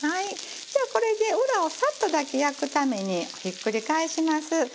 じゃあこれで裏をさっとだけ焼くためにひっくり返します。